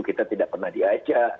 kita tidak pernah diajak